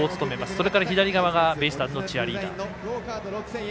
それから左側がベイスターズのチアリーダー。